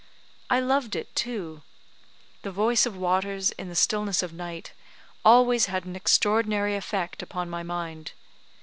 I loved it, too. The voice of waters, in the stillness of night, always had an extraordinary effect upon my mind.